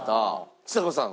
ちさ子さん